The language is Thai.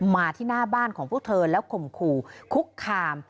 มาที่หน้าบ้านของพวกเธอแล้วข่มขู่คุกคาม